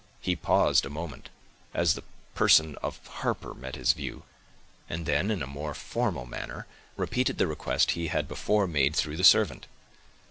He paused a moment, as the person of Harper met his view, and then, in a more formal manner, repeated the request he had before made through the servant.